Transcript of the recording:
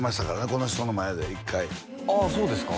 この人の前で１回ああそうですか